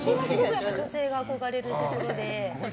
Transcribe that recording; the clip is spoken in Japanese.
女性が憧れるところで。